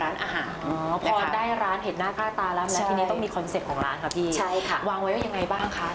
วางไว้ว่ายังไงบ้างคะ